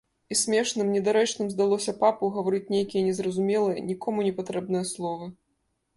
І смешным, недарэчным здалося папу гаварыць нейкія незразумелыя, нікому непатрэбныя словы.